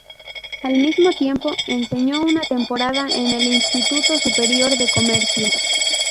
Al mismo tiempo, enseñó una temporada en el Instituto Superior de Comercio.